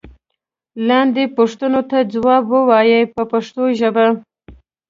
لاندې پوښتنو ته ځواب و وایئ په پښتو ژبه.